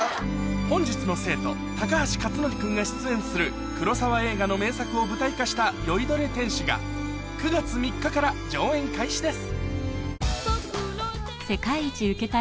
本日の生徒高橋克典君が出演する黒澤映画の名作を舞台化した『醉いどれ天使』が９月３日から上演開始です